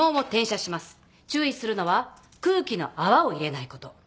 注意するのは空気の泡を入れないこと。